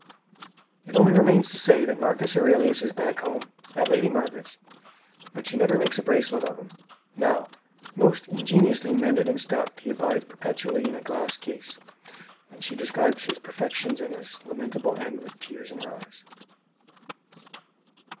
It only remains to say that Marcus Aurelius is back home, at Lady Margaret's; but she never makes a bracelet of him, now; most ingeniously mended and stuffed, he abides perpetually in a glass case; and she describes his perfections and his lamentable end with tears in her eyes.